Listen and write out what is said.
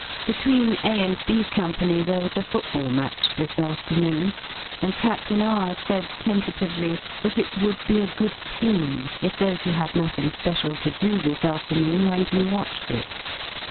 Between A and B Company there was a football match this afternoon and Captain R said tentatively that it "wo'uld be a good thing" if those who had nothing special to do this afternoon went and watched it.